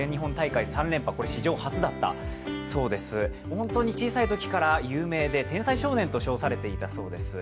本当に小さいときから有名で、天才少年と称されていたそうです。